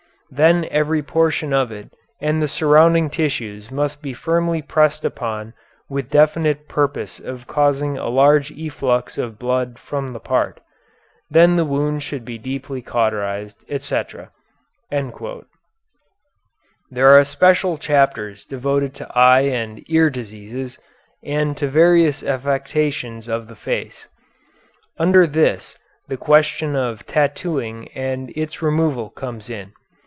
Then every portion of it and the surrounding tissues must be firmly pressed upon with the definite purpose of causing a large efflux of blood from the part. Then the wound should be deeply cauterized, etc." There are special chapters devoted to eye and ear diseases, and to various affections of the face. Under this the question of tattooing and its removal comes in.